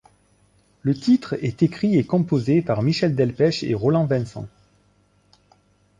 Le titre est écrit et composé par Michel Delpech et Roland Vincent.